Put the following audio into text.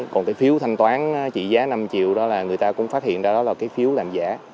còn cái phiếu thanh toán trị giá năm triệu đó là người ta cũng phát hiện đó là cái phiếu làm giả